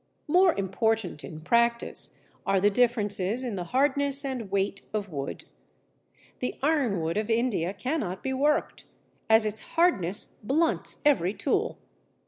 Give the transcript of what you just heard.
More important in practice are the differences in the hardness and weight of wood. The Ironwood of India cannot be worked, as its hardness blunts every tool.